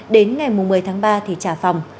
đến ngày một mươi tháng ba thì trả phòng